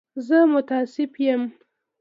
زه متأسف یم.